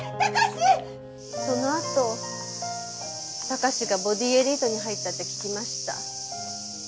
そのあと貴史がボディエリートに入ったって聞きました。